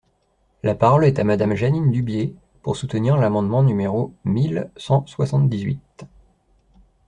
La parole est à Madame Jeanine Dubié, pour soutenir l’amendement numéro mille cent soixante-dix-huit.